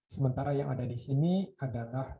sementara yang ada di sini adalah